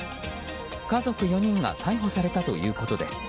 家族４人が逮捕されたということです。